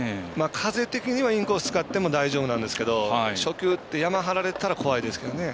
風的にはインコース使っても大丈夫なんですけど初球ってヤマ張られたら怖いですけどね。